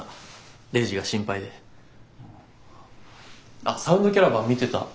あっサウンドキャラバン見てた。